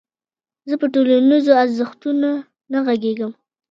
زه پر ټولنيزو ارزښتونو نه غږېږم.